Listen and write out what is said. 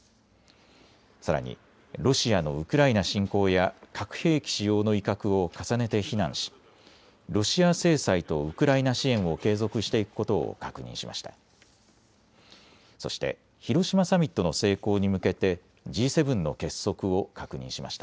さらにロシアのウクライナ侵攻や核兵器使用の威嚇を重ねて非難しロシア制裁とウクライナ支援を継続していくことを確認しました。